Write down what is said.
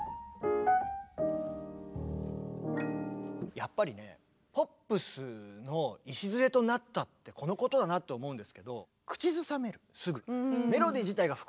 やっぱりねポップスの礎となったってこのことだなと思うんですけどだからね